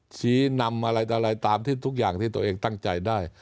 ชี้นำอะไรอะไรตามที่ทุกอย่างที่ตัวเองตั้งใจได้